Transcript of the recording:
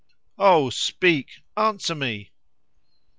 Oh, speak! Answer me!"